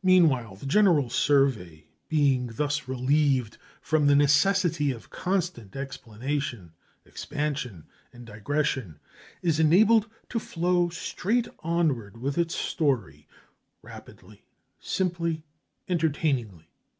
Meanwhile the general survey, being thus relieved from the necessity of constant explanation, expansion, and digression, is enabled to flow straight onward with its story, rapidly, simply, entertainingly.